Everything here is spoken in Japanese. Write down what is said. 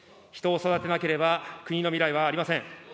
人を育てなければ国の未来はありません。